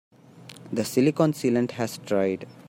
The silicon sealant has dried.